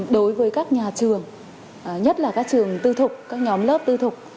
đối với các nhà trường nhất là các trường tư thục các nhóm lớp tư thục